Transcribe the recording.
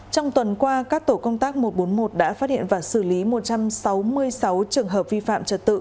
trong tuần qua các tổ công tác một trăm bốn mươi một đã phát hiện và xử lý một trăm sáu mươi sáu trường hợp vi phạm trật tự